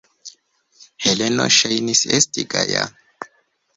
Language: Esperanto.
Heleno ŝajnis esti gaja.